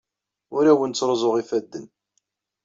Ur awen-ttruẓuɣ ifadden.